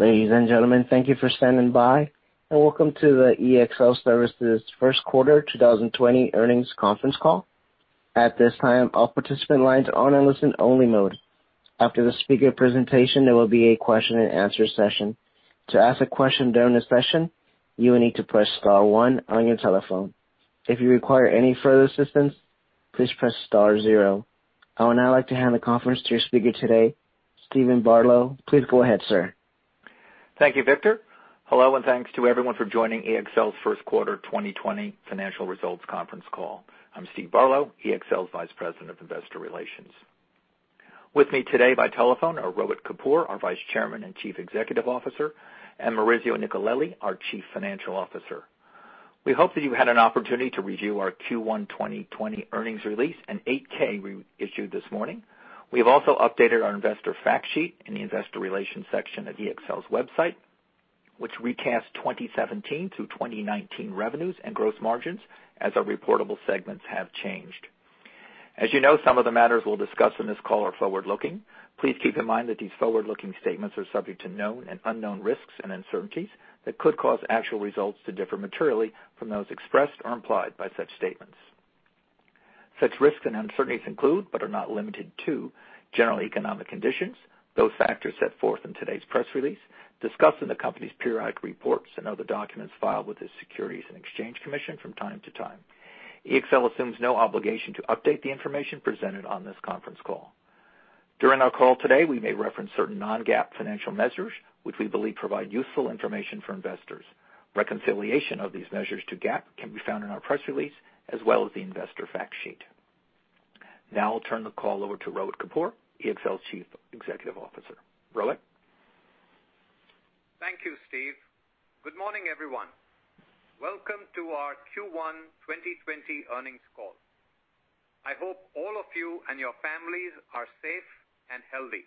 Ladies and gentlemen, thank you for standing by, and welcome to the ExlService first quarter 2020 earnings conference call. At this time, all participant lines are on a listen only mode. After the speaker presentation, there will be a question and answer session. To ask a question during the session, you will need to press star one on your telephone. If you require any further assistance, please press star zero. I would now like to hand the conference to your speaker today, Steven Barlow. Please go ahead, sir. Thank you, Victor. Hello, and thanks to everyone for joining EXL's first quarter 2020 financial results conference call. I'm Steven Barlow, EXL's Vice President of Investor Relations. With me today by telephone are Rohit Kapoor, our Vice Chairman and Chief Executive Officer, and Maurizio Nicolelli, our Chief Financial Officer. We hope that you had an opportunity to review our Q1 2020 earnings release and 8-K we issued this morning. We have also updated our investor fact sheet in the investor relations section of EXL's website, which recasts 2017 to 2019 revenues and gross margins as our reportable segments have changed. As you know, some of the matters we'll discuss in this call are forward-looking. Please keep in mind that these forward-looking statements are subject to known and unknown risks and uncertainties that could cause actual results to differ materially from those expressed or implied by such statements. Such risks and uncertainties include, but are not limited to, general economic conditions, those factors set forth in today's press release, discussed in the company's periodic reports and other documents filed with the Securities and Exchange Commission from time to time. EXL assumes no obligation to update the information presented on this conference call. During our call today, we may reference certain non-GAAP financial measures, which we believe provide useful information for investors. Reconciliation of these measures to GAAP can be found in our press release as well as the investor fact sheet. Now I'll turn the call over to Rohit Kapoor, EXL's Chief Executive Officer. Rohit. Thank you, Steve. Good morning, everyone. Welcome to our Q1 2020 earnings call. I hope all of you and your families are safe and healthy.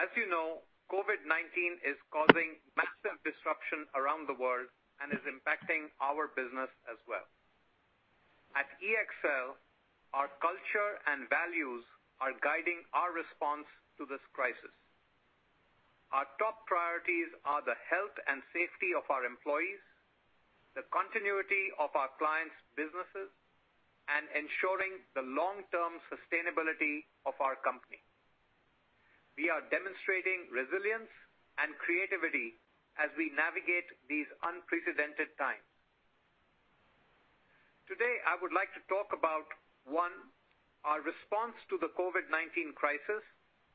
As you know, COVID-19 is causing massive disruption around the world and is impacting our business as well. At EXL, our culture and values are guiding our response to this crisis. Our top priorities are the health and safety of our employees, the continuity of our clients' businesses, and ensuring the long-term sustainability of our company. We are demonstrating resilience and creativity as we navigate these unprecedented times. Today, I would like to talk about, one, our response to the COVID-19 crisis,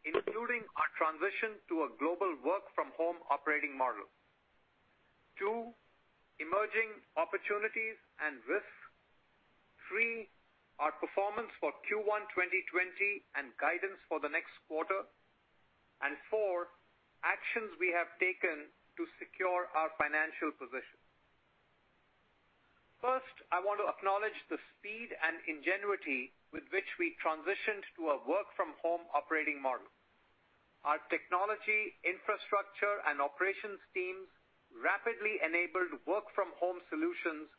including our transition to a global work-from-home operating model. Two, emerging opportunities and risks. Three, our performance for Q1 2020 and guidance for the next quarter, and four, actions we have taken to secure our financial position. First, I want to acknowledge the speed and ingenuity with which we transitioned to a work-from-home operating model. Our technology, infrastructure, and operations teams rapidly enabled work-from-home solutions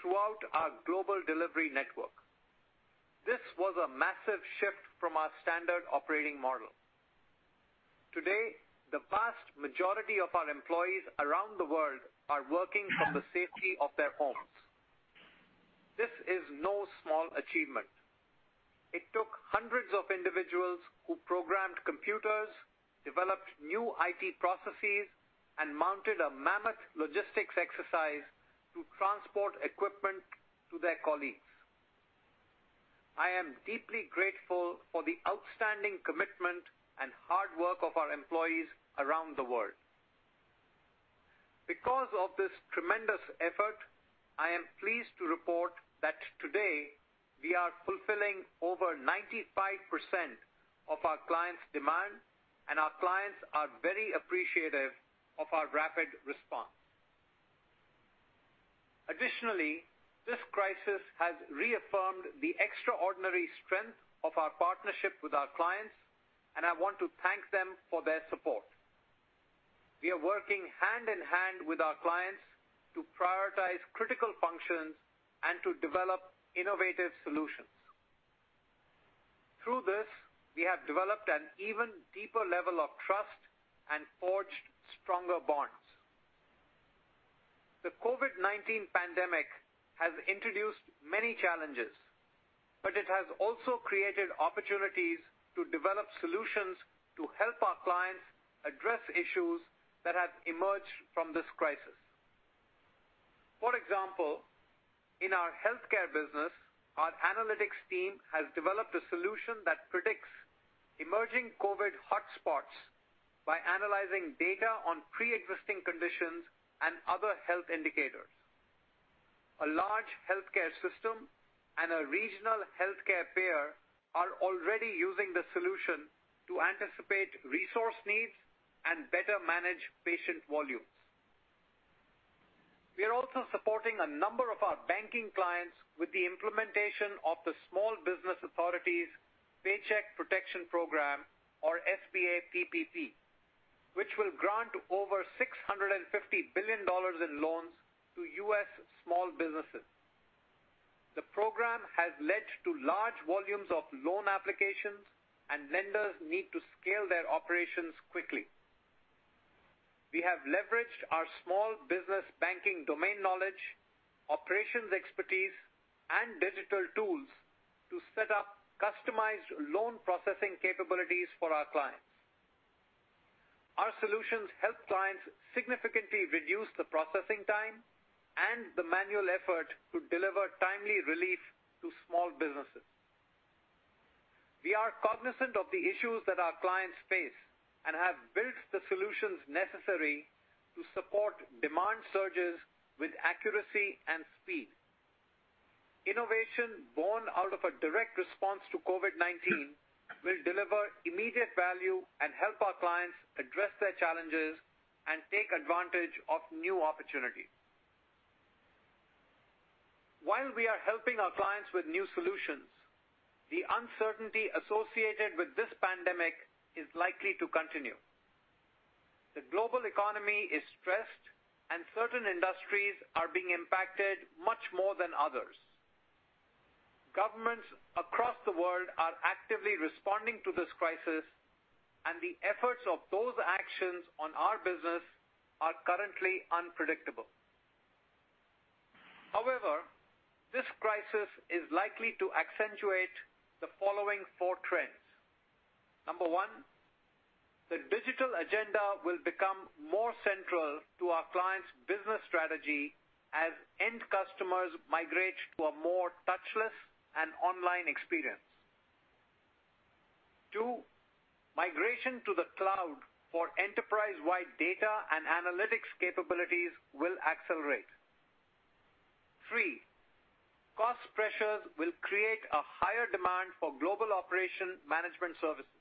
throughout our global delivery network. This was a massive shift from our standard operating model. Today, the vast majority of our employees around the world are working from the safety of their homes. This is no small achievement. It took hundreds of individuals who programmed computers, developed new IT processes, and mounted a mammoth logistics exercise to transport equipment to their colleagues. I am deeply grateful for the outstanding commitment and hard work of our employees around the world. Because of this tremendous effort, I am pleased to report that today we are fulfilling over 95% of our clients' demand, and our clients are very appreciative of our rapid response. Additionally, this crisis has reaffirmed the extraordinary strength of our partnership with our clients, and I want to thank them for their support. We are working hand in hand with our clients to prioritize critical functions and to develop innovative solutions. Through this, we have developed an even deeper level of trust and forged stronger bonds. The COVID-19 pandemic has introduced many challenges, but it has also created opportunities to develop solutions to help our clients address issues that have emerged from this crisis. For example, in our healthcare business, our analytics team has developed a solution that predicts emerging COVID hotspots by analyzing data on preexisting conditions and other health indicators. A large healthcare system and a regional healthcare payer are already using the solution to anticipate resource needs and better manage patient volumes. We are also supporting a number of our banking clients with the implementation of the Small Business Administration's Paycheck Protection Program, or SBA PPP, which will grant over $650 billion in loans to U.S. small businesses. The program has led to large volumes of loan applications, and lenders need to scale their operations quickly. We have leveraged our small business banking domain knowledge, operations expertise, and digital tools to set up customized loan processing capabilities for our clients. Our solutions help clients significantly reduce the processing time and the manual effort to deliver timely relief to small businesses. We are cognizant of the issues that our clients face and have built the solutions necessary to support demand surges with accuracy and speed. Innovation born out of a direct response to COVID-19 will deliver immediate value and help our clients address their challenges and take advantage of new opportunities. While we are helping our clients with new solutions, the uncertainty associated with this pandemic is likely to continue. The global economy is stressed, and certain industries are being impacted much more than others. Governments across the world are actively responding to this crisis, and the efforts of those actions on our business are currently unpredictable. However, this crisis is likely to accentuate the following four trends. Number one, the digital agenda will become more central to our clients' business strategy as end customers migrate to a more touchless and online experience. Two, migration to the cloud for enterprise-wide data and analytics capabilities will accelerate. Three, cost pressures will create a higher demand for global operation management services.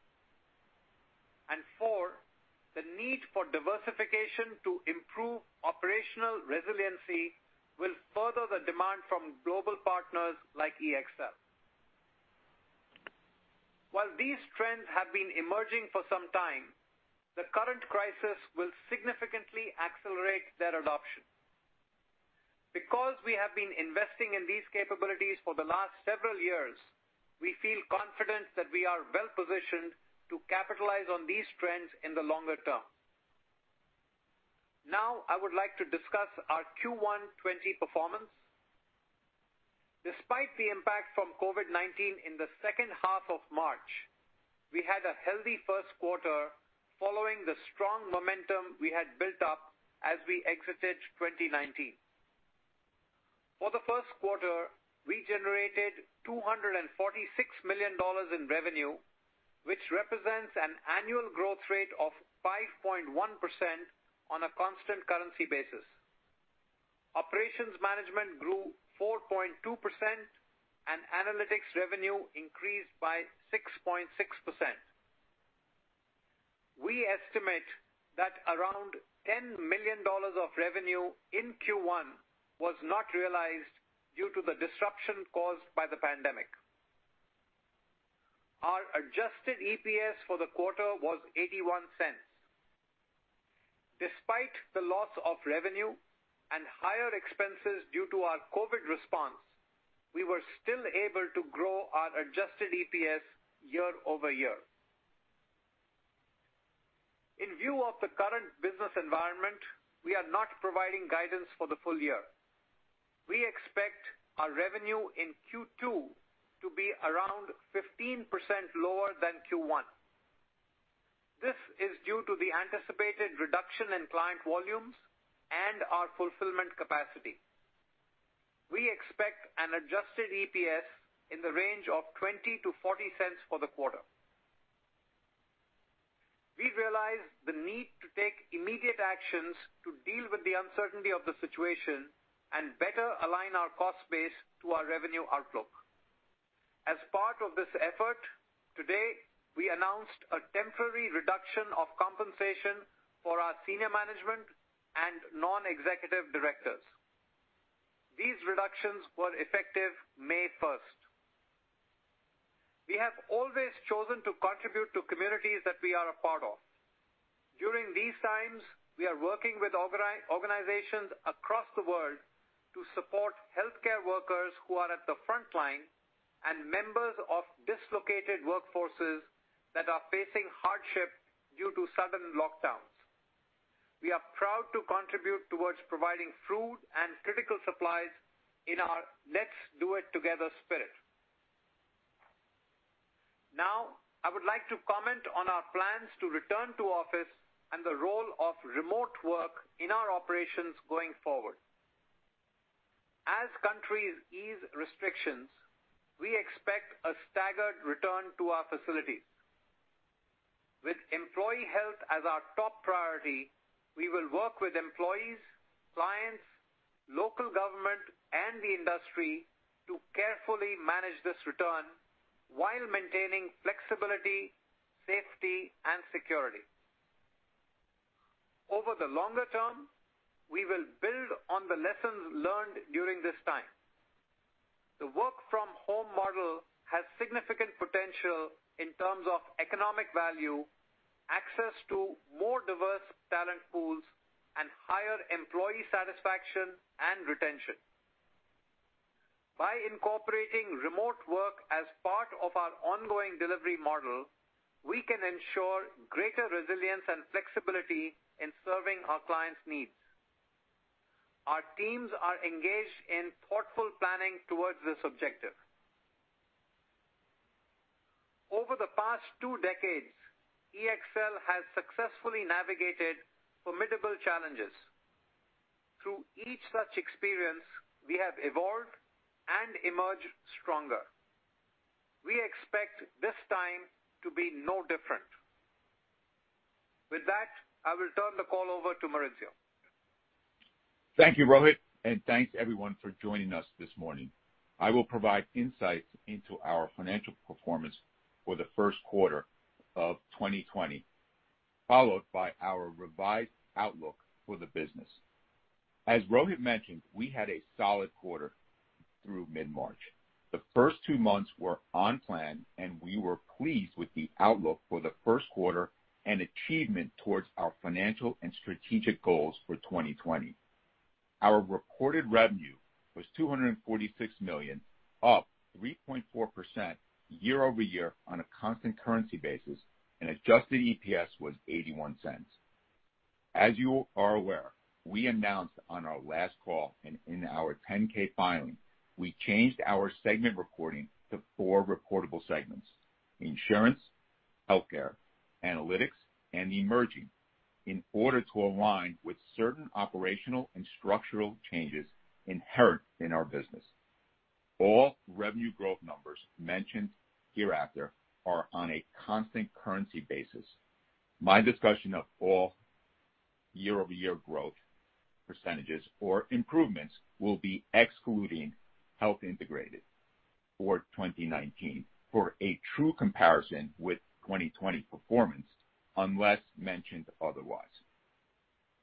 And four, the need for diversification to improve operational resiliency will further the demand from global partners like EXL. These trends have been emerging for some time, the current crisis will significantly accelerate their adoption. We have been investing in these capabilities for the last several years, we feel confident that we are well-positioned to capitalize on these trends in the longer term. I would like to discuss our Q1 2020 performance. Despite the impact from COVID-19 in the second half of March, we had a healthy first quarter following the strong momentum we had built up as we exited 2019. For the first quarter, we generated $246 million in revenue, which represents an annual growth rate of 5.1% on a constant currency basis. Operations management grew 4.2%, and analytics revenue increased by 6.6%. We estimate that around $10 million of revenue in Q1 was not realized due to the disruption caused by the pandemic. Our adjusted EPS for the quarter was $0.81. Despite the loss of revenue and higher expenses due to our COVID response, we were still able to grow our adjusted EPS year-over-year. In view of the current business environment, we are not providing guidance for the full year. We expect our revenue in Q2 to be around 15% lower than Q1. This is due to the anticipated reduction in client volumes and our fulfillment capacity. We expect an adjusted EPS in the range of $0.20-$0.40 for the quarter. We realize the need to take immediate actions to deal with the uncertainty of the situation and better align our cost base to our revenue outlook. As part of this effort, today, we announced a temporary reduction of compensation for our senior management and non-executive directors. These reductions were effective May 1st. We have always chosen to contribute to communities that we are a part of. During these times, we are working with organizations across the world to support healthcare workers who are at the frontline and members of dislocated workforces that are facing hardship due to sudden lockdowns. We are proud to contribute towards providing food and critical supplies in our Let's Do It Together spirit. Now, I would like to comment on our plans to return to office and the role of remote work in our operations going forward. As countries ease restrictions, we expect a staggered return to our facilities. With employee health as our top priority, we will work with employees, clients, local government, and the industry to carefully manage this return while maintaining flexibility, safety, and security. Over the longer term, we will build on the lessons learned during this time. The work-from-home model has significant potential in terms of economic value, access to more diverse talent pools, higher employee satisfaction and retention. By incorporating remote work as part of our ongoing delivery model, we can ensure greater resilience and flexibility in serving our clients' needs. Our teams are engaged in thoughtful planning towards this objective. Over the past two decades, EXL has successfully navigated formidable challenges. Through each such experience, we have evolved and emerged stronger. We expect this time to be no different. With that, I will turn the call over to Maurizio. Thank you, Rohit, and thanks everyone for joining us this morning. I will provide insights into our financial performance for the first quarter of 2020, followed by our revised outlook for the business. As Rohit mentioned, we had a solid quarter through mid-March. The first two months were on plan, and we were pleased with the outlook for the first quarter and achievement toward our financial and strategic goals for 2020. Our reported revenue was $246 million, up 3.4% year-over-year on a constant currency basis, and adjusted EPS was $0.81. As you are aware, we announced on our last call and in our 10-K filing, we changed our segment reporting to four reportable segments: insurance, healthcare, analytics, and emerging, in order to align with certain operational and structural changes inherent in our business. All revenue growth numbers mentioned hereafter are on a constant currency basis. My discussion of all year-over-year growth percentages or improvements will be excluding Health Integrated for 2019 for a true comparison with 2020 performance, unless mentioned otherwise.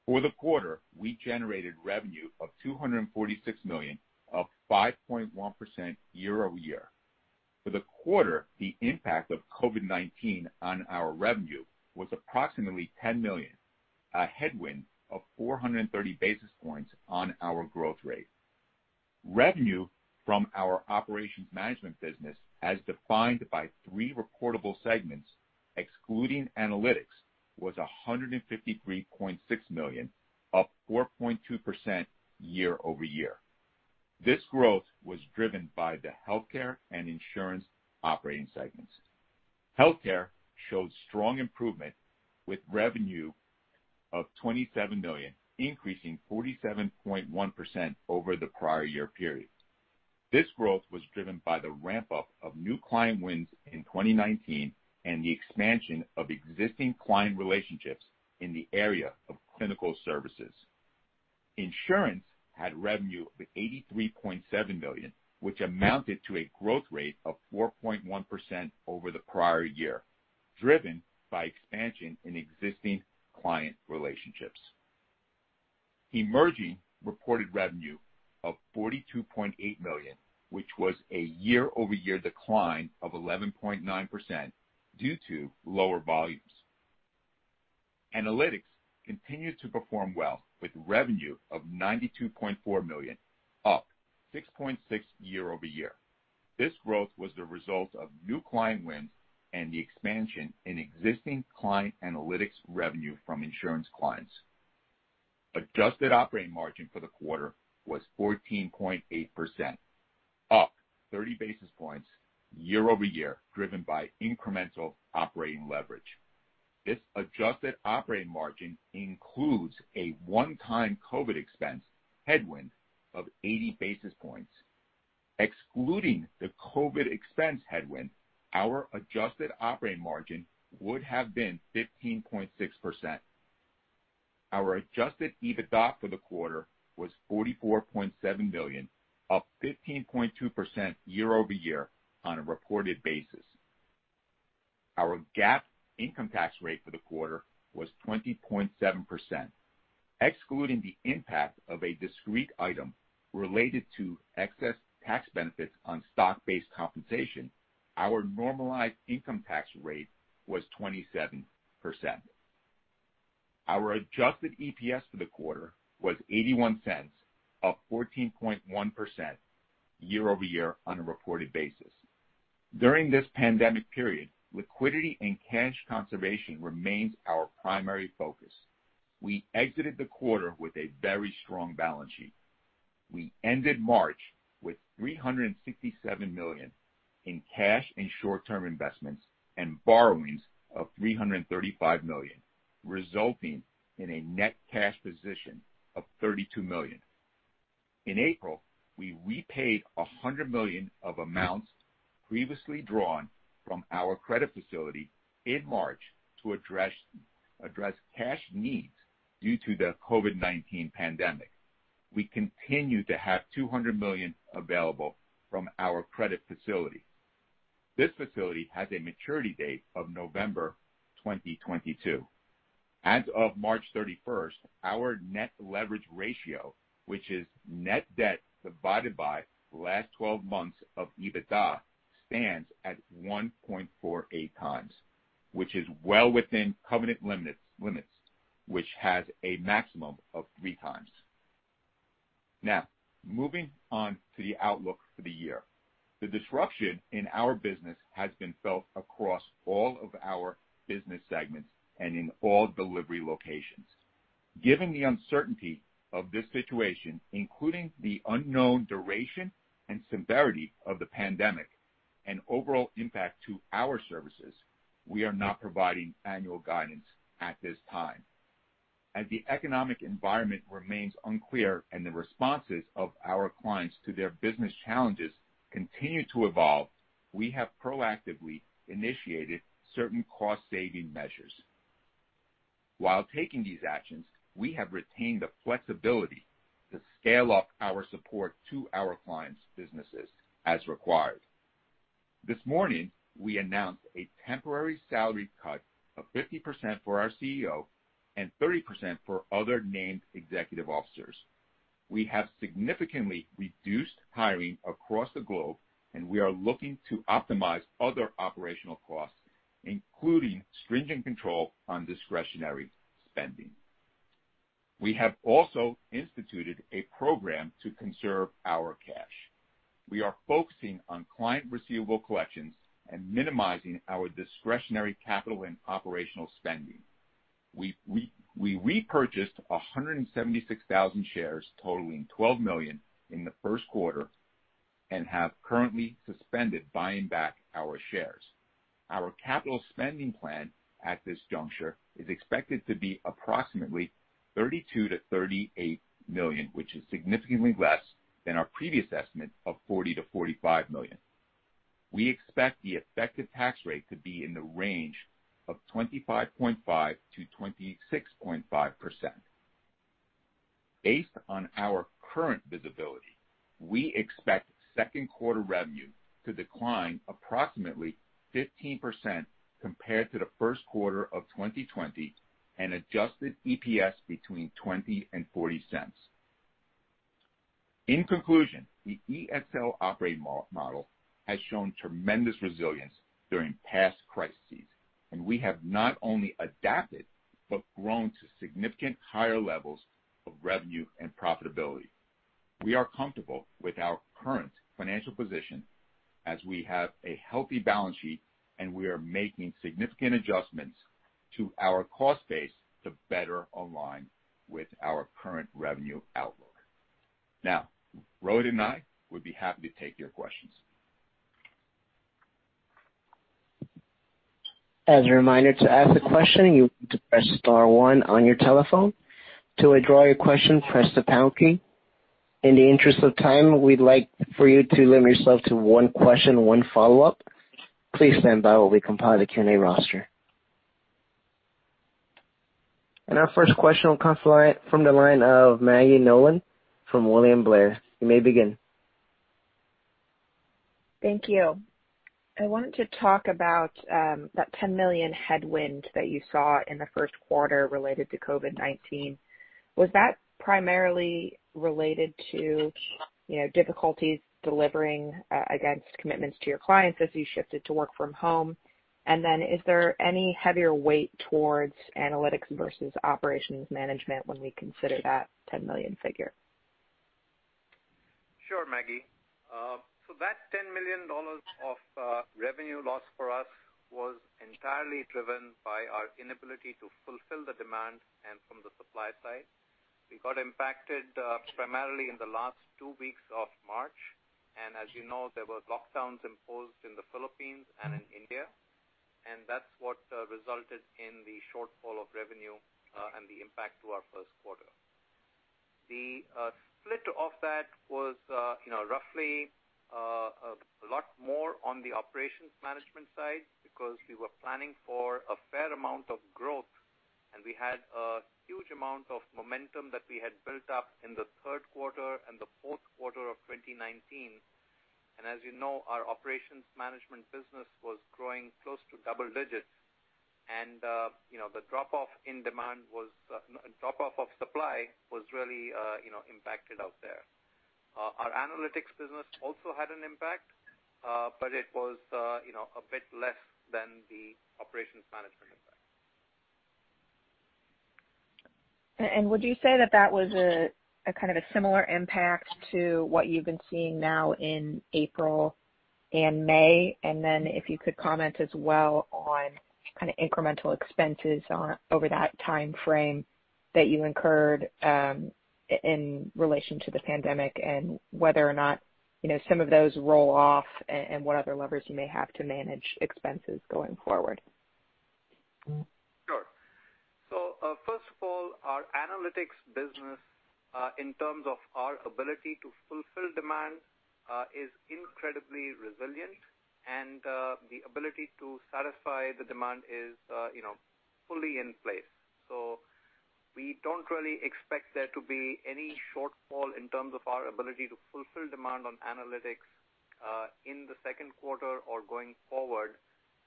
For the quarter, we generated revenue of $246 million, up 5.1% year-over-year. For the quarter, the impact of COVID-19 on our revenue was approximately $10 million, a headwind of 430 basis points on our growth rate. Revenue from our operations management business, as defined by three reportable segments, excluding analytics, was $153.6 million, up 4.2% year-over-year. This growth was driven by the healthcare and insurance operating segments. Healthcare showed strong improvement, with revenue of $27 million increasing 47.1% over the prior year period. This growth was driven by the ramp-up of new client wins in 2019 and the expansion of existing client relationships in the area of clinical services. Insurance had revenue of $83.7 million, which amounted to a growth rate of 4.1% over the prior year, driven by expansion in existing client relationships. Emerging reported revenue of $42.8 million, which was a year-over-year decline of 11.9% due to lower volumes. Analytics continued to perform well, with revenue of $92.4 million, up 6.6% year-over-year. This growth was the result of new client wins and the expansion in existing client Analytics revenue from Insurance clients. Adjusted operating margin for the quarter was 14.8%, up 30 basis points year-over-year, driven by incremental operating leverage. This adjusted operating margin includes a one-time COVID expense headwind of 80 basis points. Excluding the COVID expense headwind, our adjusted operating margin would have been 15.6%. Our adjusted EBITDA for the quarter was $44.7 million, up 15.2% year-over-year on a reported basis. Our GAAP income tax rate for the quarter was 20.7%. Excluding the impact of a discrete item related to excess tax benefits on stock-based compensation, our normalized income tax rate was 27%. Our adjusted EPS for the quarter was $0.81, up 14.1% year-over-year on a reported basis. During this pandemic period, liquidity and cash conservation remains our primary focus. We exited the quarter with a very strong balance sheet. We ended March with $367 million in cash and short-term investments and borrowings of $335 million, resulting in a net cash position of $32 million. In April, we repaid $100 million of amounts previously drawn from our credit facility in March to address cash needs due to the COVID-19 pandemic. We continue to have $200 million available from our credit facility. This facility has a maturity date of November 2022. As of March 31st, our net leverage ratio, which is net debt divided by the last 12 months of EBITDA, stands at 1.48x, which is well within covenant limits, which has a maximum of 3x. Now, moving on to the outlook for the year. The disruption in our business has been felt across all of our business segments and in all delivery locations. Given the uncertainty of this situation, including the unknown duration and severity of the pandemic and overall impact to our services, we are not providing annual guidance at this time. As the economic environment remains unclear and the responses of our clients to their business challenges continue to evolve, we have proactively initiated certain cost-saving measures. While taking these actions, we have retained the flexibility to scale up our support to our clients' businesses as required. This morning, we announced a temporary salary cut of 50% for our CEO and 30% for other named executive officers. We have significantly reduced hiring across the globe, and we are looking to optimize other operational costs, including stringent control on discretionary spending. We have also instituted a program to conserve our cash. We are focusing on client receivable collections and minimizing our discretionary capital and operational spending. We repurchased 176,000 shares totaling $12 million in the first quarter and have currently suspended buying back our shares. Our capital spending plan at this juncture is expected to be approximately $32 million-$38 million, which is significantly less than our previous estimate of $40 million-$45 million. We expect the effective tax rate to be in the range of 25.5%-26.5%. Based on our current visibility, we expect second quarter revenue to decline approximately 15% compared to the first quarter of 2020, and adjusted EPS between $0.20 and $0.40. In conclusion, the EXL operating model has shown tremendous resilience during past crises, and we have not only adapted but grown to significantly higher levels of revenue and profitability. We are comfortable with our current financial position as we have a healthy balance sheet, and we are making significant adjustments to our cost base to better align with our current revenue outlook. Now, Rohit and I would be happy to take your questions. As a reminder, to ask a question, you need to press star one on your telephone. To withdraw your question, press the pound key. In the interest of time, we'd like for you to limit yourself to one question, one follow-up. Please stand by while we compile the Q&A roster. Our first question will come from the line of Maggie Nolan from William Blair. You may begin. Thank you. I wanted to talk about that $10 million headwind that you saw in the first quarter related to COVID-19. Was that primarily related to difficulties delivering against commitments to your clients as you shifted to work from home? Is there any heavier weight towards analytics versus operations management when we consider that $10 million figure? Sure, Maggie. That $10 million of revenue loss for us was entirely driven by our inability to fulfill the demand and from the supply side. We got impacted primarily in the last two weeks of March, and as you know, there were lockdowns imposed in the Philippines and in India, and that's what resulted in the shortfall of revenue and the impact to our first quarter. The split of that was roughly a lot more on the operations management side because we were planning for a fair amount of growth, and we had a huge amount of momentum that we had built up in the third quarter and the fourth quarter of 2019. As you know, our operations management business was growing close to double digits, and the drop-off of supply was really impacted out there. Our analytics business also had an impact, but it was a bit less than the operations management impact. Would you say that that was a similar impact to what you've been seeing now in April and May? If you could comment as well on incremental expenses over that timeframe that you incurred in relation to the pandemic and whether or not some of those roll off and what other levers you may have to manage expenses going forward. Sure. First of all, our analytics business, in terms of our ability to fulfill demand, is incredibly resilient, and the ability to satisfy the demand is fully in place. We don't really expect there to be any shortfall in terms of our ability to fulfill demand on analytics in the second quarter or going forward,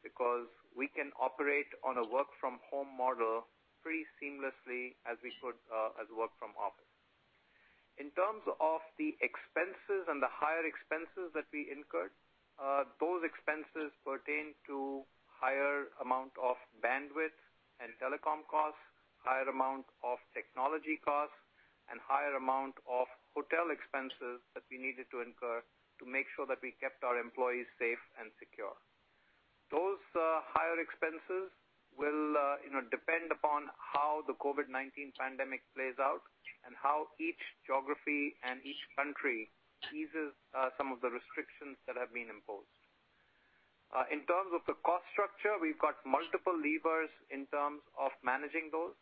because we can operate on a work from home model pretty seamlessly as we could as work from office. In terms of the expenses and the higher expenses that we incurred, those expenses pertain to higher amount of bandwidth and telecom costs, higher amount of technology costs, and higher amount of hotel expenses that we needed to incur to make sure that we kept our employees safe and secure. Those higher expenses will depend upon how the COVID-19 pandemic plays out and how each geography and each country eases some of the restrictions that have been imposed. In terms of the cost structure, we've got multiple levers in terms of managing those,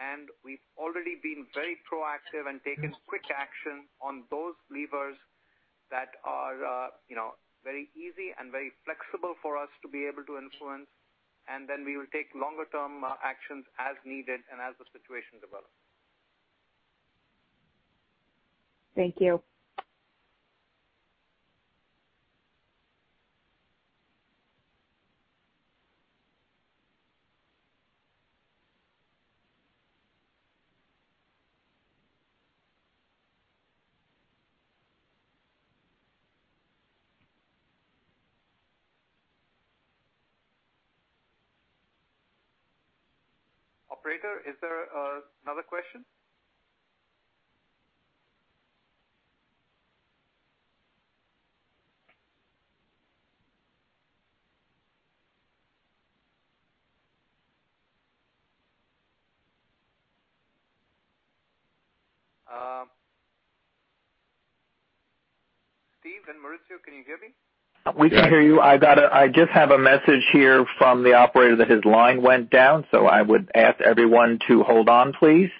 and we've already been very proactive and taken quick action on those levers that are very easy and very flexible for us to be able to influence. We will take longer-term actions as needed and as the situation develops. Thank you. Operator, is there another question? Steve and Maurizio, can you hear me? We can hear you. I just have a message here from the operator that his line went down, so I would ask everyone to hold on, please.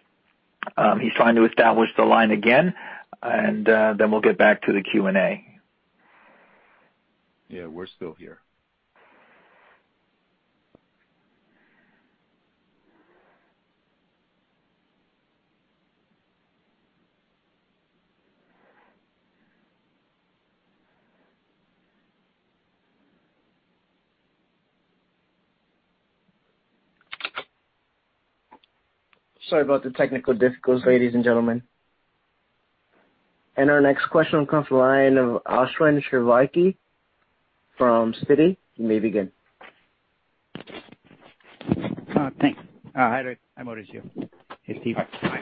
He's trying to establish the line again, and then we'll get back to the Q&A. Yeah, we're still here. Sorry about the technical difficulties, ladies and gentlemen. Our next question comes from the line of Ashwin Shirvaikar from Citi. You may begin. Thanks. Hi, Rohit. Hi, Maurizio. Hey, Steve. Hi.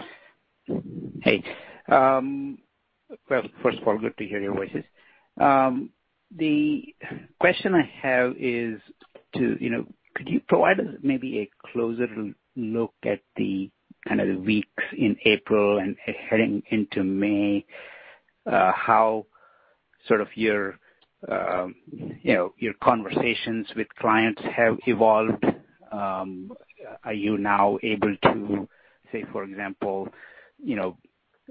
Hey. Well, first of all, good to hear your voices. The question I have is could you provide maybe a closer look at the weeks in April and heading into May, how your conversations with clients have evolved? Are you now able to, say, for example,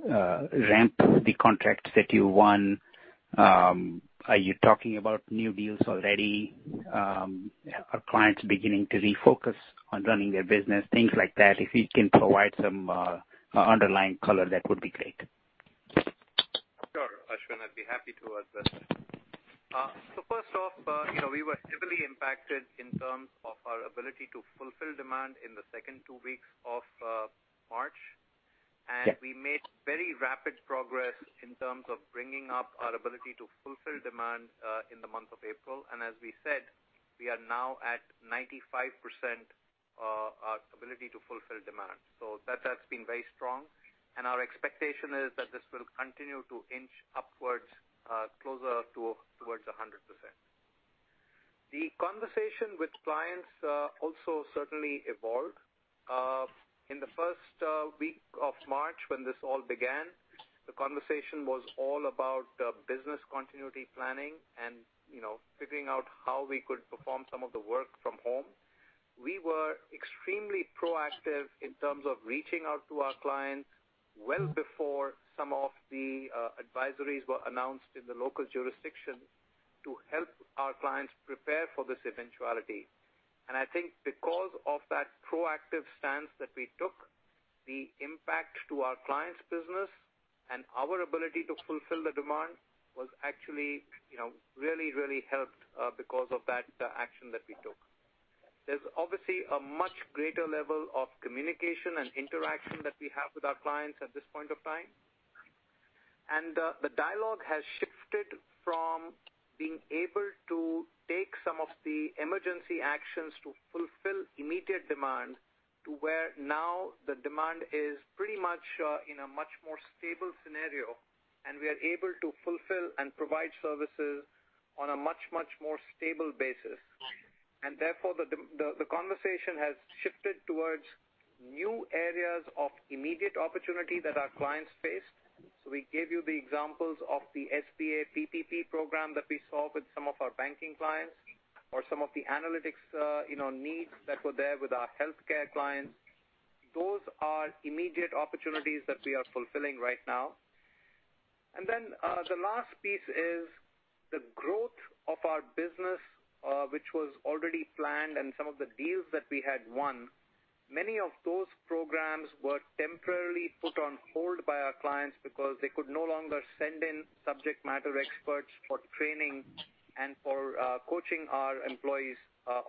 ramp the contracts that you won? Are you talking about new deals already? Are clients beginning to refocus on running their business? Things like that. If you can provide some underlying color, that would be great. Sure, Ashwin. I'd be happy to address that. First off, we were heavily impacted in terms of our ability to fulfill demand in the second two weeks of March. Yes. We made very rapid progress in terms of bringing up our ability to fulfill demand in the month of April. As we said, we are now at 95% ability to fulfill demand. That has been very strong, and our expectation is that this will continue to inch upwards closer towards 100%. The conversation with clients also certainly evolved. In the first week of March when this all began, the conversation was all about business continuity planning and figuring out how we could perform some of the work from home. We were extremely proactive in terms of reaching out to our clients well before some of the advisories were announced in the local jurisdiction to help our clients prepare for this eventuality. I think because of that proactive stance that we took, the impact to our clients' business and our ability to fulfill the demand was actually really helped because of that action that we took. There's obviously a much greater level of communication and interaction that we have with our clients at this point of time. The dialogue has shifted from being able to take some of the emergency actions to fulfill immediate demand to where now the demand is pretty much in a much more stable scenario, and we are able to fulfill and provide services on a much, much more stable basis. Therefore, the conversation has shifted towards new areas of immediate opportunity that our clients face. We gave you the examples of the SBA PPP program that we saw with some of our banking clients, or some of the analytics needs that were there with our healthcare clients. Those are immediate opportunities that we are fulfilling right now. The last piece is the growth of our business, which was already planned, and some of the deals that we had won. Many of those programs were temporarily put on hold by our clients because they could no longer send in subject matter experts for training and for coaching our employees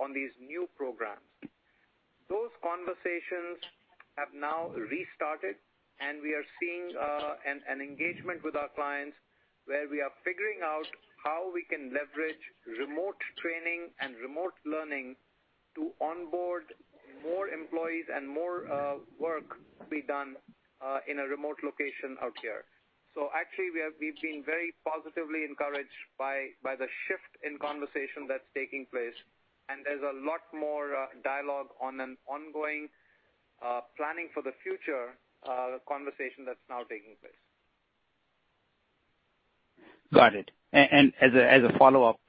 on these new programs. Those conversations have now restarted, and we are seeing an engagement with our clients where we are figuring out how we can leverage remote training and remote learning to onboard more employees and more work to be done in a remote location out here. Actually, we've been very positively encouraged by the shift in conversation that's taking place, and there's a lot more dialogue on an ongoing planning for the future conversation that's now taking place. Got it. As a follow-up,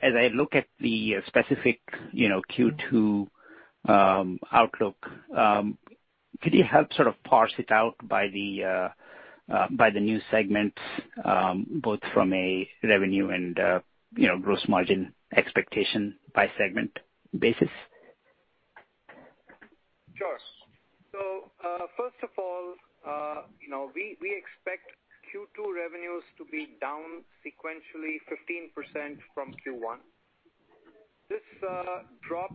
as I look at the specific Q2 outlook, could you help sort of parse it out by the new segments, both from a revenue and gross margin expectation by segment basis? Sure. First of all, we expect Q2 revenues to be down sequentially 15% from Q1. This drop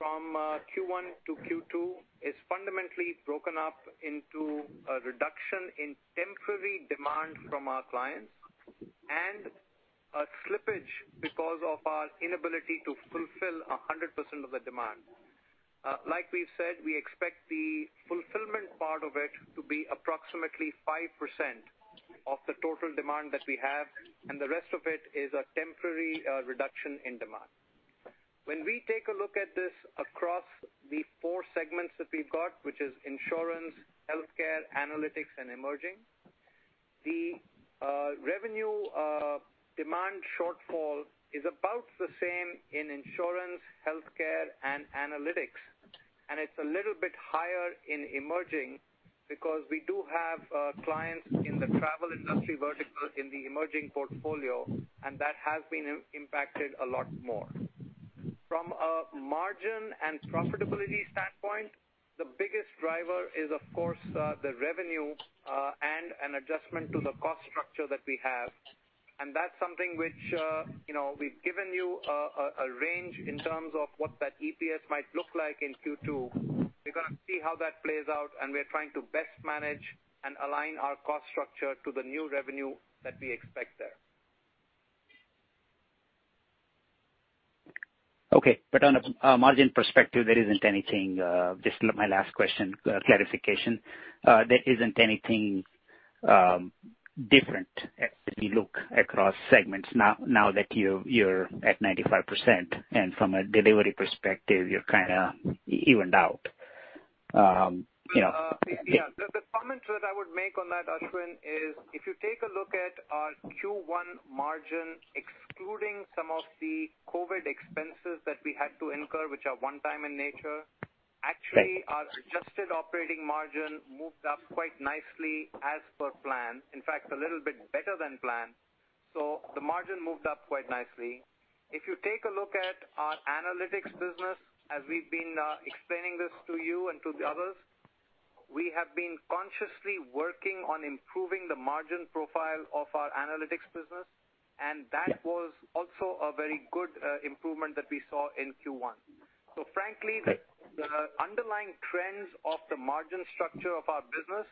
from Q1 to Q2 is fundamentally broken up into a reduction in temporary demand from our clients and a slippage because of our inability to fulfill 100% of the demand. Like we've said, we expect the fulfillment part of it to be approximately 5% of the total demand that we have, and the rest of it is a temporary reduction in demand. When we take a look at this across the four segments that we've got, which is insurance, healthcare, analytics, and emerging, the revenue demand shortfall is about the same in insurance, healthcare, and analytics. It's a little bit higher in emerging because we do have clients in the travel industry vertical in the emerging portfolio, and that has been impacted a lot more. From a margin and profitability standpoint, the biggest driver is, of course, the revenue, and an adjustment to the cost structure that we have. That's something which we've given you a range in terms of what that EPS might look like in Q2. We're going to see how that plays out, and we are trying to best manage and align our cost structure to the new revenue that we expect there. Okay. On a margin perspective, there isn't anything. Just my last question, clarification. There isn't anything different as we look across segments now that you're at 95%, and from a delivery perspective, you're kind of evened out. Yeah. The comment that I would make on that, Ashwin, is if you take a look at our Q1 margin, excluding some of the COVID expenses that we had to incur, which are one-time in nature- Right. Actually, our adjusted operating margin moved up quite nicely as per plan, in fact, a little bit better than planned. The margin moved up quite nicely. If you take a look at our analytics business, as we've been explaining this to you and to the others, we have been consciously working on improving the margin profile of our analytics business, and that was also a very good improvement that we saw in Q1. Frankly- Right. The underlying trends of the margin structure of our business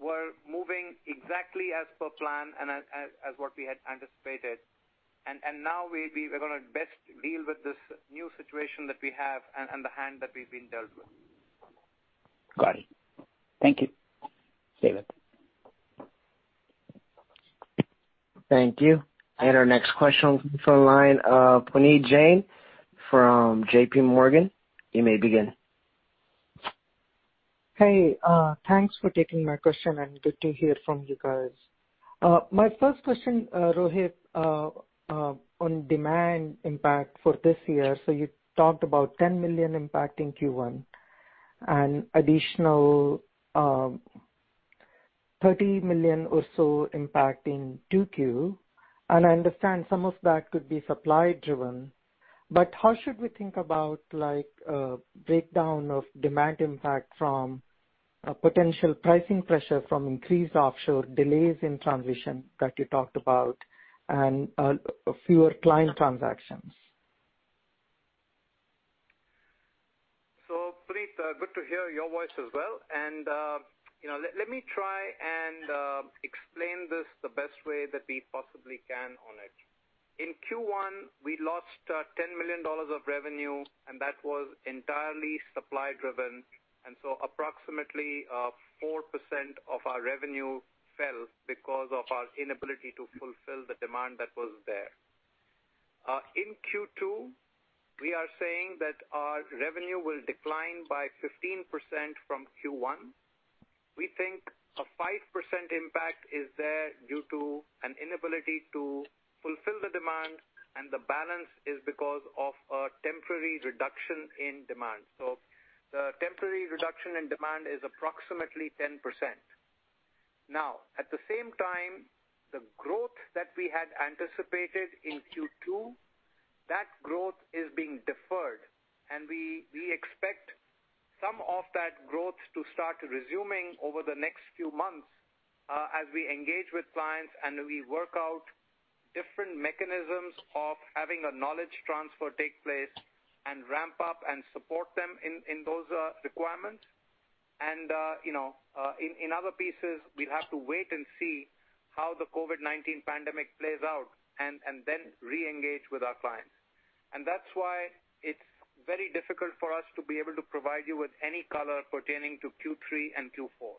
were moving exactly as per plan and as what we had anticipated. Now we're going to best deal with this new situation that we have and the hand that we've been dealt with. Got it. Thank you. Steven. Thank you. Our next question comes from the line of Puneet Jain from JPMorgan. You may begin. Hey, thanks for taking my question, and good to hear from you guys. My first question, Rohit, on demand impact for this year. You talked about $10 million impact in Q1 and additional $30 million or so impact in 2Q, and I understand some of that could be supply driven. How should we think about a breakdown of demand impact from potential pricing pressure from increased offshore delays in transition that you talked about and fewer client transactions? Puneet, good to hear your voice as well. let me try and explain this the best way that we possibly can on it. In Q1, we lost $10 million of revenue, and that was entirely supply driven. Approximately 4% of our revenue fell because of our inability to fulfill the demand that was there. In Q2, we are saying that our revenue will decline by 15% from Q1. We think a 5% impact is there due to an inability to fulfill the demand, and the balance is because of a temporary reduction in demand. The temporary reduction in demand is approximately 10%. Now, at the same time, the growth that we had anticipated in Q2, that growth is being deferred, and we expect some of that growth to start resuming over the next few months, as we engage with clients and we work out different mechanisms of having a knowledge transfer take place and ramp up and support them in those requirements. In other pieces, we'll have to wait and see how the COVID-19 pandemic plays out and then re-engage with our clients. That's why it's very difficult for us to be able to provide you with any color pertaining to Q3 and Q4.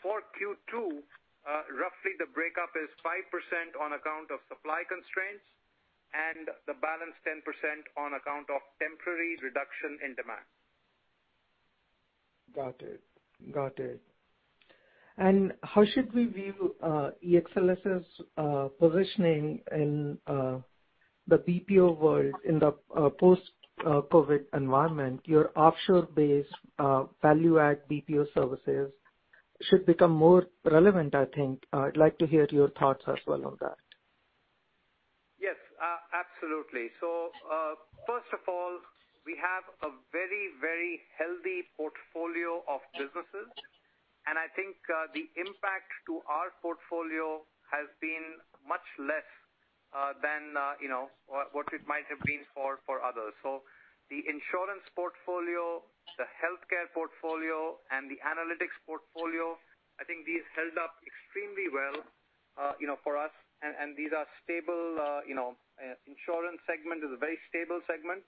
For Q2, roughly the breakup is 5% on account of supply constraints and the balance 10% on account of temporary reduction in demand. Got it. How should we view ExlService's positioning in the BPO world in the post-COVID environment? Your offshore-based value-add BPO services should become more relevant, I think. I'd like to hear your thoughts as well on that. Yes, absolutely. First of all, we have a very healthy portfolio of businesses, and I think the impact to our portfolio has been much less than what it might have been for others. The insurance portfolio, the healthcare portfolio, and the analytics portfolio, I think these held up extremely well for us. These are stable. Insurance segment is a very stable segment.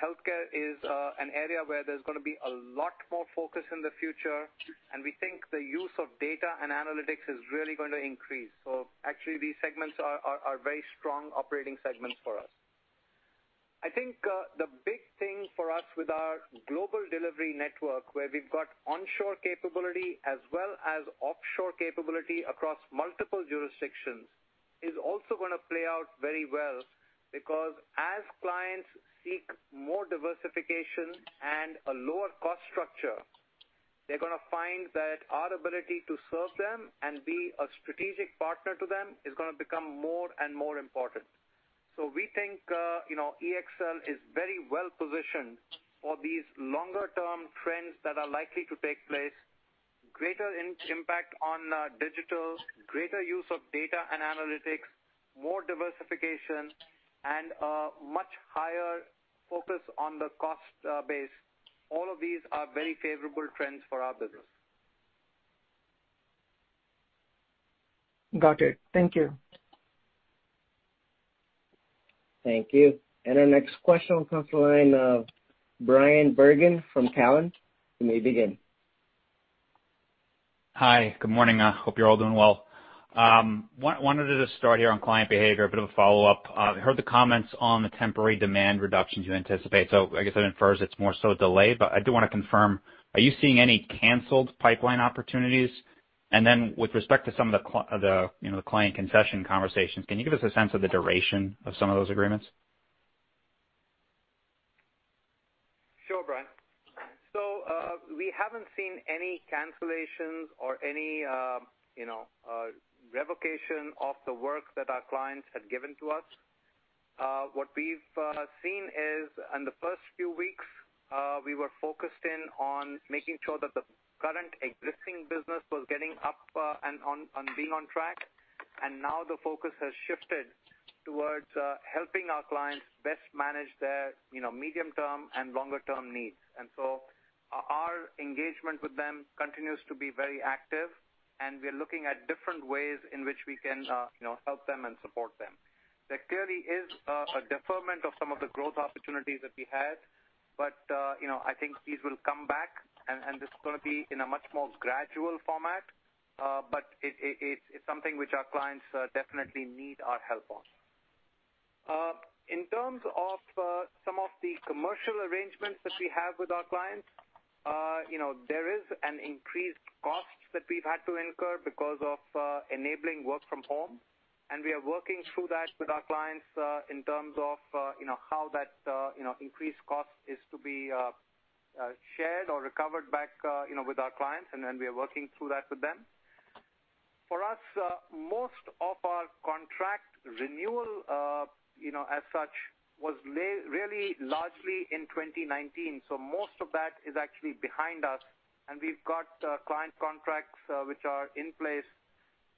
Healthcare is an area where there's going to be a lot more focus in the future, and we think the use of data and analytics is really going to increase. Actually, these segments are very strong operating segments for us. I think the big thing for us with our global delivery network, where we've got onshore capability as well as offshore capability across multiple jurisdictions, is also going to play out very well. As clients seek more diversification and a lower cost structure, they're going to find that our ability to serve them and be a strategic partner to them is going to become more and more important. We think EXL is very well-positioned for these longer-term trends that are likely to take place, greater impact on digital, greater use of data and analytics, more diversification, and a much higher focus on the cost base. All of these are very favorable trends for our business. Got it. Thank you. Thank you. Our next question comes from the line of Bryan Bergin from Cowen. You may begin. Hi, good morning. Hope you're all doing well. Wanted to just start here on client behavior, a bit of a follow-up. Heard the comments on the temporary demand reductions you anticipate. I guess that infers it's more so delayed, but I do want to confirm, are you seeing any canceled pipeline opportunities? With respect to some of the client concession conversations, can you give us a sense of the duration of some of those agreements? Sure, Bryan. We haven't seen any cancellations or any revocation of the work that our clients had given to us. What we've seen is in the first few weeks, we were focused in on making sure that the current existing business was getting up and being on track. Now the focus has shifted towards helping our clients best manage their medium-term and longer-term needs. Our engagement with them continues to be very active, and we are looking at different ways in which we can help them and support them. There clearly is a deferment of some of the growth opportunities that we had, but I think these will come back, and this is going to be in a much more gradual format. It's something which our clients definitely need our help on. In terms of some of the commercial arrangements that we have with our clients, there is an increased cost that we've had to incur because of enabling work from home, and we are working through that with our clients in terms of how that increased cost is to be shared or recovered back with our clients, and then we are working through that with them. For us, most of our contract renewal, as such, was really largely in 2019. Most of that is actually behind us, and we've got client contracts which are in place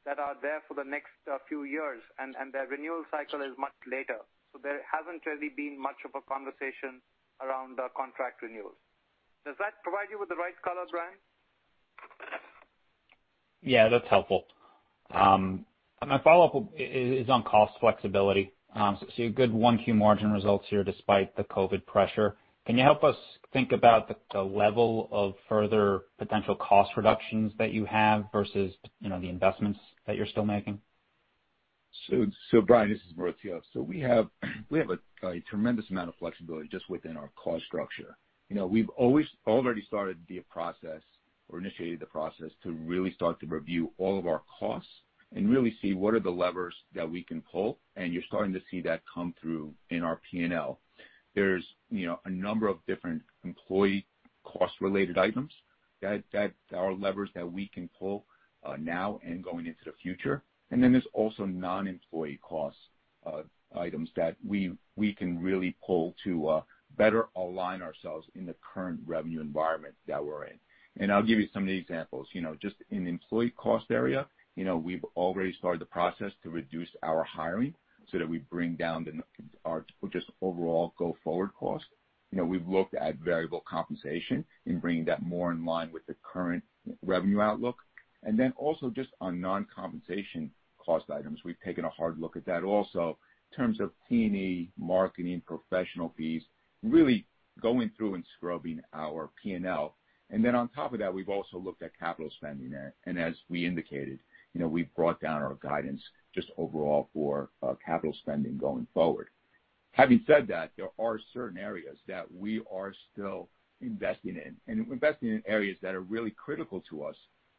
that are there for the next few years, and their renewal cycle is much later. There hasn't really been much of a conversation around contract renewals. Does that provide you with the right color, Bryan? Yeah, that's helpful. My follow-up is on cost flexibility. I see a good 1Q margin results here despite the COVID pressure. Can you help us think about the level of further potential cost reductions that you have versus the investments that you're still making? Bryan, this is Maurizio. We have a tremendous amount of flexibility just within our cost structure. We've always already started the process or initiated the process to really start to review all of our costs and really see what are the levers that we can pull. You're starting to see that come through in our P&L. There's a number of different employee cost-related items, that are levers that we can pull now and going into the future. There's also non-employee cost items that we can really pull to better align ourselves in the current revenue environment that we're in. I'll give you some of the examples. Just in employee cost area, we've already started the process to reduce our hiring so that we bring down just overall go-forward cost. We've looked at variable compensation and bringing that more in line with the current revenue outlook. Also just on non-compensation cost items, we've taken a hard look at that also in terms of T&E, marketing, professional fees, really going through and scrubbing our P&L. On top of that, we've also looked at capital spending, and as we indicated, we've brought down our guidance just overall for capital spending going forward. Having said that, there are certain areas that we are still investing in, and investing in areas that are really critical to us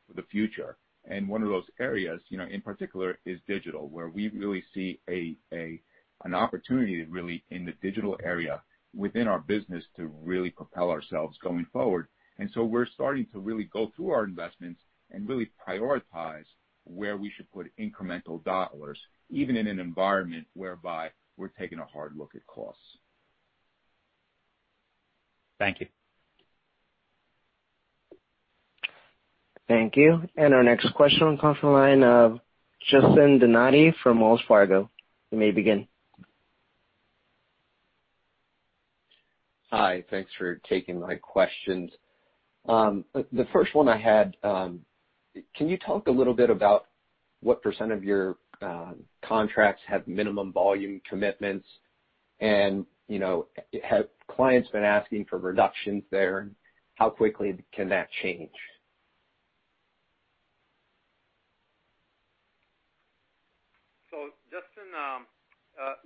for the future. One of those areas, in particular, is digital, where we really see an opportunity really in the digital area within our business to really propel ourselves going forward. We're starting to really go through our investments and really prioritize where we should put incremental dollars, even in an environment whereby we're taking a hard look at costs. Thank you. Thank you. Our next question will come from the line of Justin Donati from Wells Fargo. You may begin. Hi. Thanks for taking my questions. The first one I had, can you talk a little bit about what percent of your contracts have minimum volume commitments, and have clients been asking for reductions there, and how quickly can that change? Justin,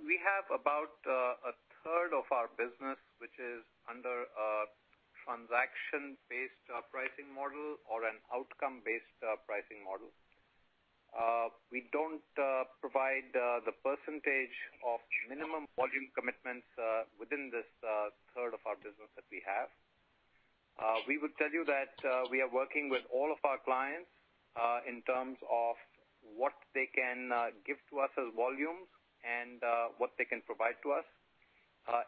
we have about 1/3 of our business, which is under a transaction-based pricing model or an outcome-based pricing model. We don't provide the percentage of minimum volume commitments within this third of our business that we have. We would tell you that we are working with all of our clients in terms of what they can give to us as volumes and what they can provide to us.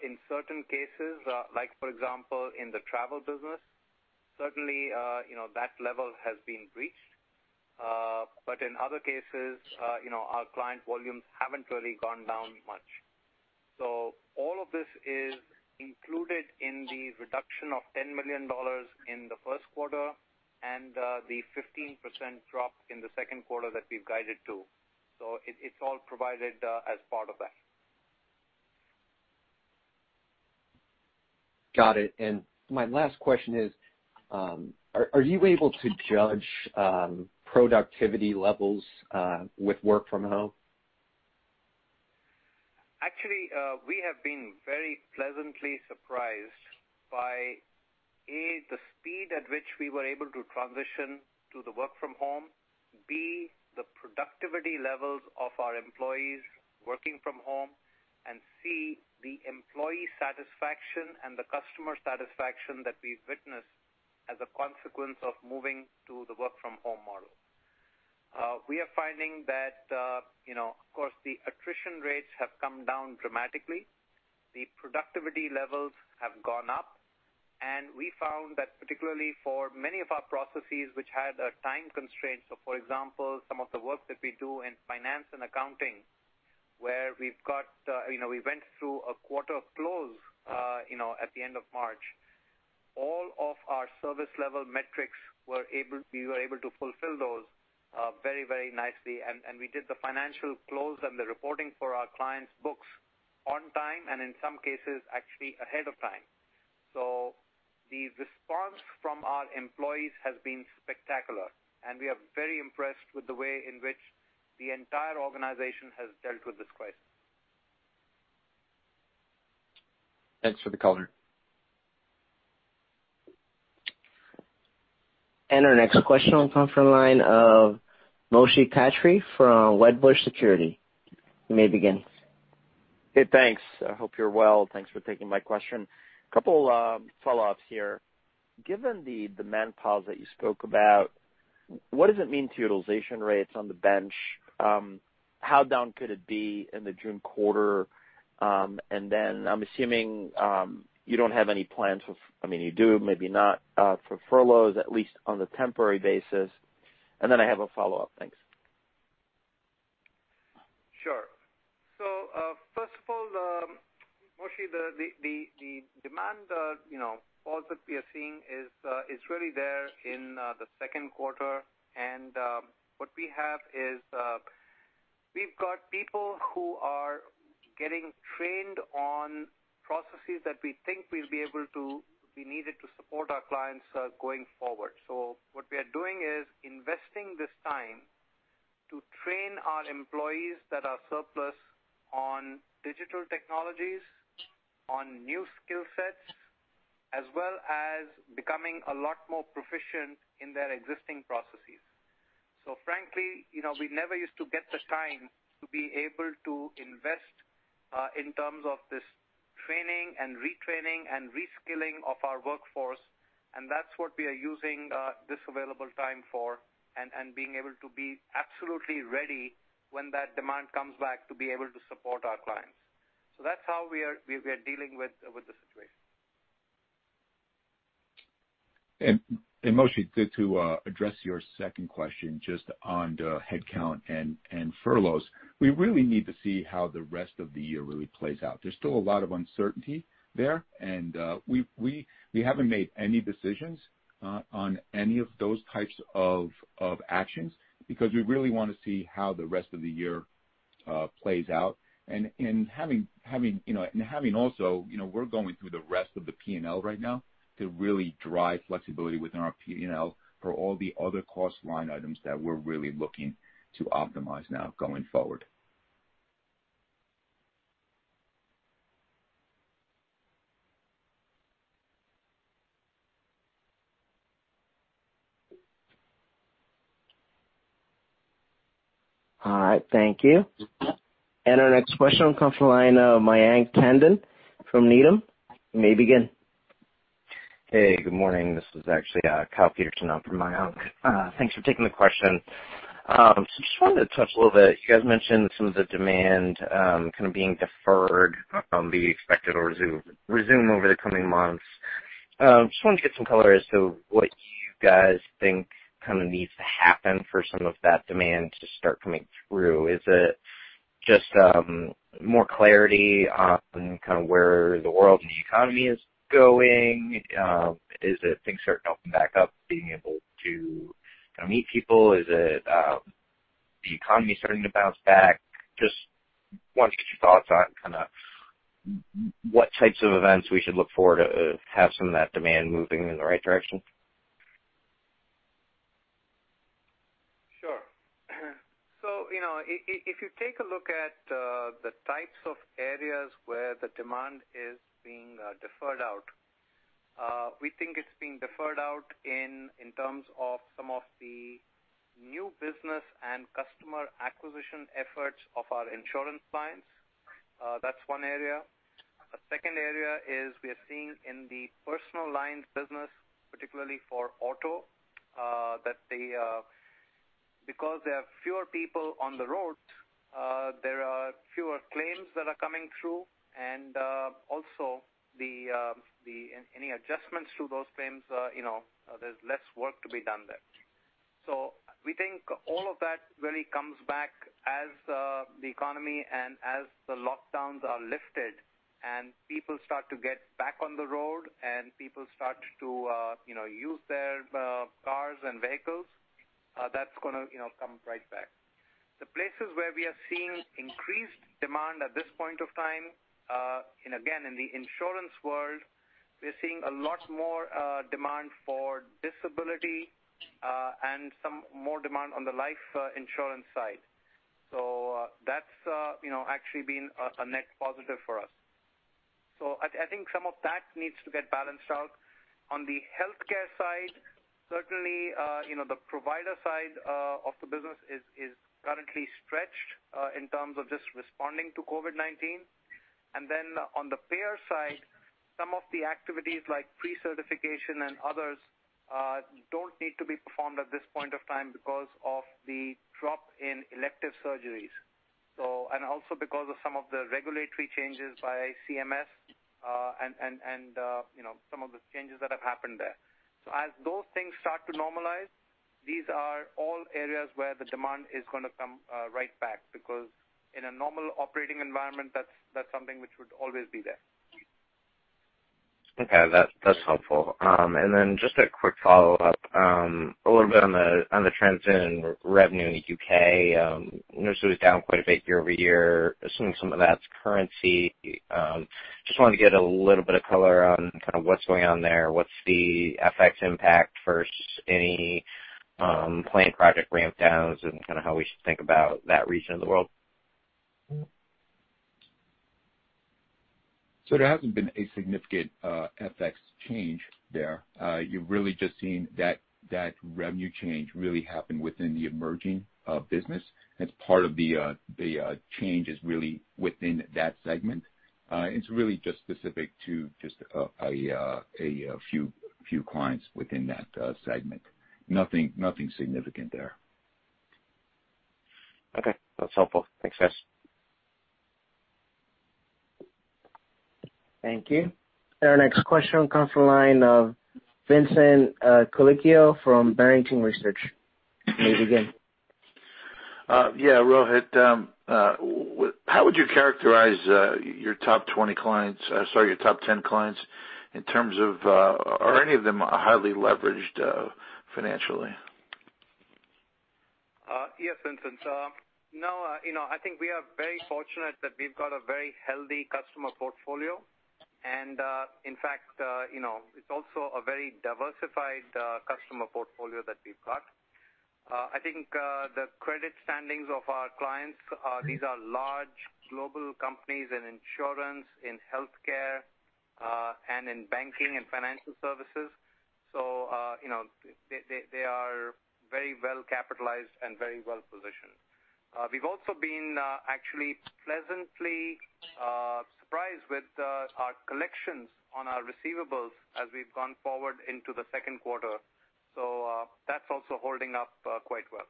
In certain cases, like for example, in the travel business, certainly that level has been breached. In other cases, our client volumes haven't really gone down much. All of this is included in the reduction of $10 million in the first quarter and the 15% drop in the second quarter that we've guided to. It's all provided as part of that. Got it. My last question is, are you able to judge productivity levels with work from home? Actually, we have been very pleasantly surprised by, A, the speed at which we were able to transition to the work from home, B, the productivity levels of our employees working from home, and C, the employee satisfaction and the customer satisfaction that we've witnessed as a consequence of moving to the work from home model. We are finding that, of course, the attrition rates have come down dramatically. The productivity levels have gone up, and we found that particularly for many of our processes which had a time constraint, so for example, some of the work that we do in finance and accounting, where we went through a quarter close at the end of March. All of our service level metrics, we were able to fulfill those very nicely, and we did the financial close and the reporting for our clients' books on time, and in some cases, actually ahead of time. The response from our employees has been spectacular, and we are very impressed with the way in which the entire organization has dealt with this crisis. Thanks for the color. Our next question will come from the line of Moshe Katri from Wedbush Securities. You may begin. Hey, thanks. I hope you're well. Thanks for taking my question. A couple follow-ups here. Given the demand pause that you spoke about, what does it mean to utilization rates on the bench? How down could it be in the June quarter? I'm assuming you don't have any plans I mean, you do, maybe not, for furloughs, at least on the temporary basis. I have a follow-up. Thanks. Sure. First of all, Moshe, the demand pause that we are seeing is really there in the second quarter. What we have is, we've got people who are getting trained on processes that we think we'll be able to be needed to support our clients going forward. What we are doing is investing this time to train our employees that are surplus on digital technologies, on new skill sets, as well as becoming a lot more proficient in their existing processes. Frankly, we never used to get the time to be able to invest in terms of this training and retraining and reskilling of our workforce, and that's what we are using this available time for, and being able to be absolutely ready when that demand comes back to be able to support our clients. That's how we are dealing with the situation. Moshe, to address your second question just on the headcount and furloughs, we really need to see how the rest of the year really plays out. There's still a lot of uncertainty there, and we haven't made any decisions on any of those types of actions because we really want to see how the rest of the year plays out. We're going through the rest of the P&L right now to really drive flexibility within our P&L for all the other cost line items that we're really looking to optimize now going forward. All right. Thank you. Our next question comes from the line of Mayank Tandon from Needham. You may begin. Hey, good morning. This is actually Kyle Peterson in for Mayank. Thanks for taking the question. Just wanted to touch a little bit, you guys mentioned some of the demand kind of being deferred, but you expect it'll resume over the coming months. Just wanted to get some color as to what you guys think needs to happen for some of that demand to start coming through. Is it just more clarity on where the world and the economy is going? Is it things starting to open back up, being able to meet people? Is it the economy starting to bounce back? Just wanted to get your thoughts on what types of events we should look for to have some of that demand moving in the right direction. Sure. If you take a look at the types of areas where the demand is being deferred out, we think it's being deferred out in terms of some of the new business and customer acquisition efforts of our insurance clients. That's one area. A second area is we are seeing in the personal lines business, particularly for auto, that because there are fewer people on the road, there are fewer claims that are coming through and also any adjustments to those claims, there's less work to be done there. We think all of that really comes back as the economy and as the lockdowns are lifted and people start to get back on the road and people start to use their cars and vehicles. That's going to come right back. The places where we are seeing increased demand at this point of time, and again, in the insurance world, we are seeing a lot more demand for disability, and some more demand on the life insurance side. That's actually been a net positive for us. I think some of that needs to get balanced out. On the healthcare side, certainly, the provider side of the business is currently stretched in terms of just responding to COVID-19. On the payer side, some of the activities like pre-certification and others don't need to be performed at this point of time because of the drop in elective surgeries. Also because of some of the regulatory changes by CMS, and some of the changes that have happened there. As those things start to normalize, these are all areas where the demand is going to come right back, because in a normal operating environment, that's something which would always be there. Okay. That's helpful. Just a quick follow-up, a little bit on the trends in revenue in the U.K. I know it was down quite a bit year-over-year. Assuming some of that's currency, just wanted to get a little bit of color on what's going on there. What's the FX impact versus any planned project ramp downs and how we should think about that region of the world? There hasn't been a significant FX change there. You've really just seen that revenue change really happen within the emerging business as part of the changes really within that segment. It's really just specific to just a few clients within that segment. Nothing significant there. Okay. That's helpful. Thanks, guys. Thank you. Our next question comes from the line of Vincent Colicchio from Barrington Research. You may begin. Yeah. Rohit, how would you characterize your top 10 clients in terms of, are any of them highly leveraged financially? Yes, Vincent. No, I think we are very fortunate that we've got a very healthy customer portfolio. In fact, it's also a very diversified customer portfolio that we've got. I think the credit standings of our clients are these are large global companies in insurance, in healthcare and in banking and financial services. They are very well capitalized and very well-positioned. We've also been actually pleasantly surprised with our collections on our receivables as we've gone forward into the second quarter. That's also holding up quite well.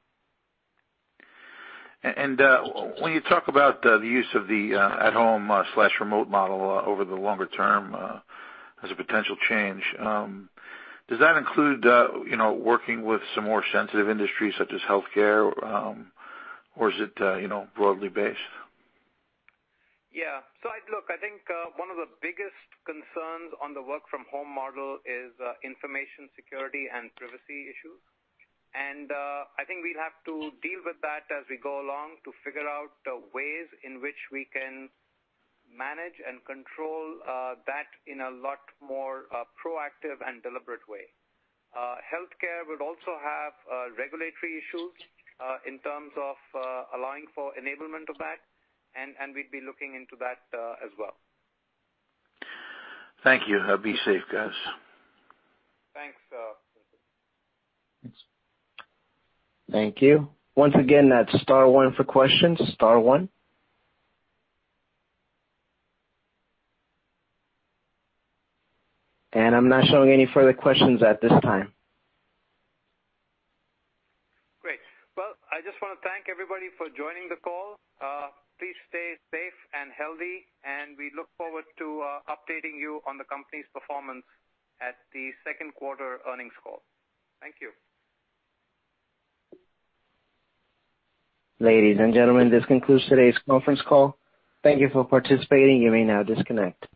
When you talk about the use of the at-home/remote model over the longer term as a potential change, does that include working with some more sensitive industries such as healthcare? is it broadly based? Yeah. Look, I think one of the biggest concerns on the work from home model is information security and privacy issues. I think we'll have to deal with that as we go along to figure out ways in which we can manage and control that in a lot more proactive and deliberate way. Healthcare would also have regulatory issues in terms of allowing for enablement of that, and we'd be looking into that as well. Thank you. Be safe, guys. Thanks. Thank you. Once again, that's star one for questions. Star one. I'm not showing any further questions at this time. Great. Well, I just want to thank everybody for joining the call. Please stay safe and healthy, and we look forward to updating you on the company's performance at the second quarter earnings call. Thank you. Ladies and gentlemen, this concludes today's conference call. Thank you for participating. You may now disconnect.